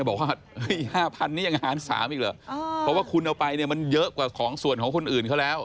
บอกว่า๕๐๐นี่ยังหาร๓อีกเหรอเพราะว่าคุณเอาไปเนี่ยมันเยอะกว่าของส่วนของคนอื่นเขาแล้ว